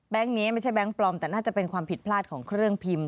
นี้ไม่ใช่แบงค์ปลอมแต่น่าจะเป็นความผิดพลาดของเครื่องพิมพ์